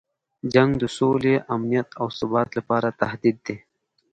جنګ د سولې، امنیت او ثبات لپاره تهدید دی.